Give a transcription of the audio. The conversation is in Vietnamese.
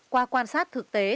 qua quan sát thực tế